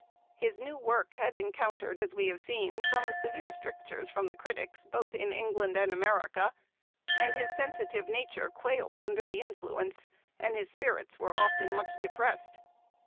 His new work had encountered, as we have seen, some severe strictures from the critics both in En gland and America, and his sensitive nature Memoir of Washington Irving. 149 quailed under the influence, and his spirits were often much depressed.